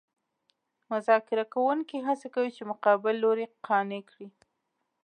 مذاکره کوونکي هڅه کوي چې مقابل لوری قانع کړي